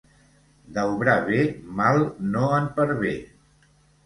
D'obrar bé mal no en pervé.